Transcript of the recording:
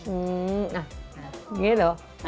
อืมนี่สิหรอ